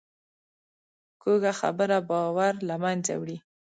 کوږه خبره باور له منځه وړي